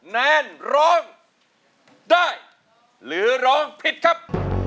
แนนร้องได้หรือร้องผิดครับ